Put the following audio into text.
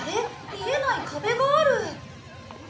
見えない壁がある。